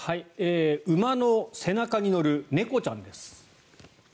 馬の背中に乗る猫ちゃんです。